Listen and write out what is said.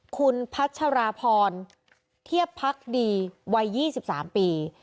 คุณพัชรพรที่เทียบพรช์ดีวัย๒๓ปี